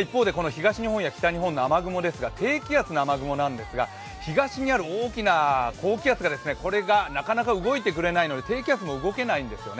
一方でこの東日本や北日本の雨雲ですが、低気圧の雨雲なんですが、東にある大きな高気圧がなかなか動いてくれないので低気圧も動けないんですね。